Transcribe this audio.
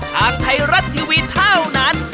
ทางไทยรัฐทีวีเท่านั้น